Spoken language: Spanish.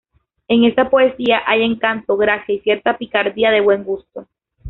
En esta poesía hay encanto, gracia y cierta picardía de buen gusto.